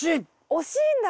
惜しいんだ。